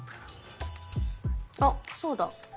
あっそうだ。